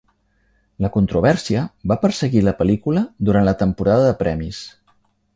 La controvèrsia va perseguir la pel·lícula durant la temporada de premis.